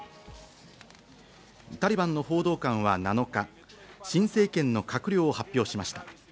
タリバンの報道官は７日、新政権の閣僚を発表しました。